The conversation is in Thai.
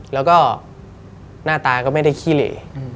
แล้วก็หน้าตาก็ไม่ได้ขี้เหล